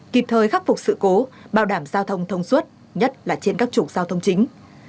kịp thời khắc phục sự cố bảo đảm giao thông thông suốt nhất là trên các trục giao thông chính